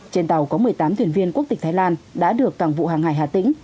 trên tàu có một mươi tám thuyền viên quốc tịch thái lan đã được cảng vụ hàng hải hà tĩnh